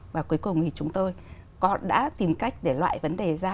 và cuối cùng thì chúng tôi đã tìm cách để loại vấn đề ra